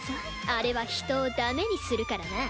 あれは人をダメにするからな。